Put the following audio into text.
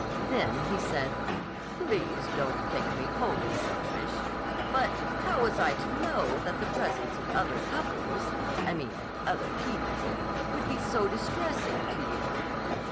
Then he said: "Please don't think me wholly selfish. But how was I to know that the presence of other couples—I mean other people—would be so distressing to you?"